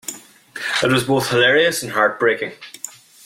It was both hilarious and heartbreaking.